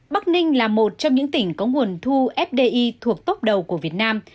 bắc ninh là một trong những tỉnh có nguồn thu fdi thuộc tốc đầu của việt nam